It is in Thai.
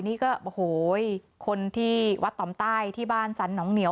นี่ก็โอ้โหคนที่วัดต่อมใต้ที่บ้านสรรหนองเหนียว